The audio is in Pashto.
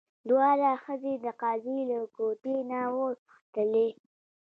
دواړه ښځې د قاضي له کوټې نه ووتلې.